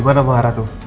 di mana pengarah tuh